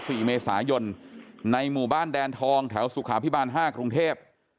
ที่ผ่านมานะครับ๔เมษายนในหมู่บ้านแดนทองแถวสุขาพิบาล๕กรุงเทพฯ